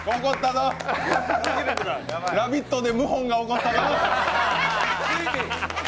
「ラヴィット！」で謀反が起こったぞ！！